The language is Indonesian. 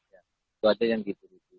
itu aja yang gitu